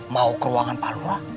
mau ke ruangan pak lura